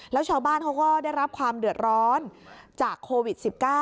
แล้วชาวบ้านเขาก็ได้รับความเดือดร้อนจากโควิด๑๙